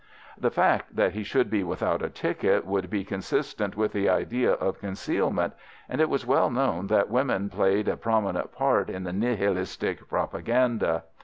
The fact that he should be without a ticket would be consistent with the idea of concealment, and it was well known that women played a prominent part in the Nihilistic propaganda.